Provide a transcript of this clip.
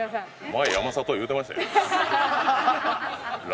前「山里」言うてましたやん。